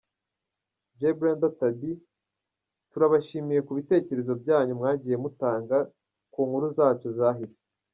G Brenda Thandi , turabashimiye ku bitekerezo byanyu mwagiye mutanga ku nkuru zacu zahise.